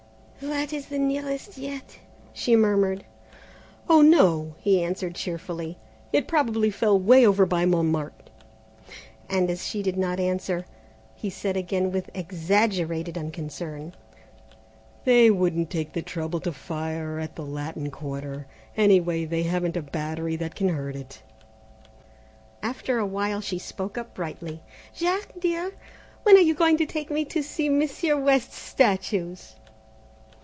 "That is the nearest yet," she murmured. "Oh, no," he answered cheerfully, "it probably fell way over by Montmartre," and as she did not answer, he said again with exaggerated unconcern, "They wouldn't take the trouble to fire at the Latin Quarter; anyway they haven't a battery that can hurt it." After a while she spoke up brightly: "Jack, dear, when are you going to take me to see Monsieur West's statues?"